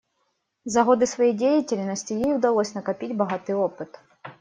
За годы своей деятельности ей удалось накопить богатый опыт.